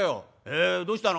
「えどうしたの？」。